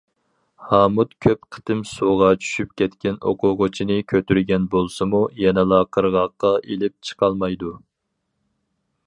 ھامۇت كۆپ قېتىم سۇغا چۈشۈپ كەتكەن ئوقۇغۇچىنى كۆتۈرگەن بولسىمۇ، يەنىلا قىرغاققا ئېلىپ چىقالمايدۇ.